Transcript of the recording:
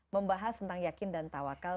membahas tentang yakin dan tawakal